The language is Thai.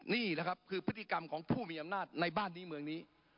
นี่แหละครับคือพฤติกรรมของผู้มีอำนาจในบ้านนี้เมืองนี้